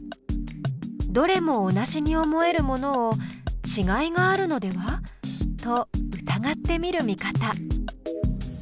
どれも同じに思えるものを「ちがいがあるのでは？」と疑ってみる見方。